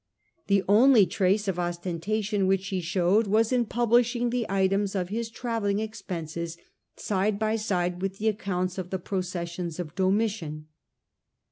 The only trace of ostentation year's delay which he showed was in publishing the items of his travelling expenses side by side with out parade, the accounts of the processions of Domitian.